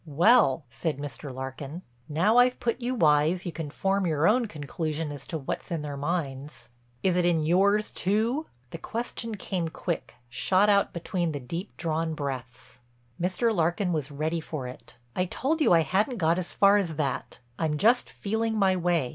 "Well," said Mr. Larkin, "now I've put you wise you can form your own conclusion as to what's in their minds." "Is it in yours, too?" The question came quick, shot out between the deep drawn breaths. Mr. Larkin was ready for it: "I told you I hadn't got as far as that; I'm just feeling my way.